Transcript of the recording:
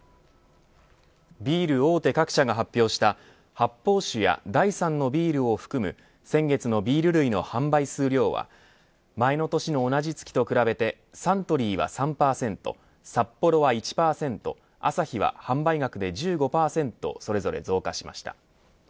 ビール大手各社が発表した発泡酒や第３のビールを含む先月のビール類の販売数量は前の年の同じ月と比べてサントリーは３％サッポロは１％アサヒは販売額で１５％それぞれ増加しました。